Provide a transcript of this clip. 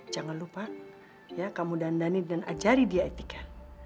jangan lupa ya kamu dandani dan ajari dia etika